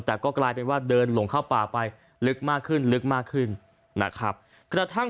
แต่ก็กลายเป็นว่าเดินหลงเข้าป่าไปลึกมากขึ้น